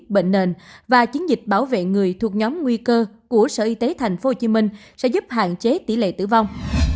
bệnh nền và chiến dịch bảo vệ người thuộc nhóm nguy cơ của sở y tế tp hcm sẽ giúp hạn chế tỷ lệ tử vong